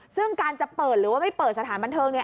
ซึ่งการจะเปิดหรือว่าไม่เปิดสถานบันเทิงเนี่ย